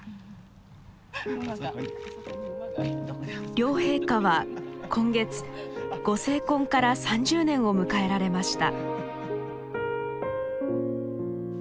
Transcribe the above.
両陛下は今月ご成婚から３０年を迎えられました。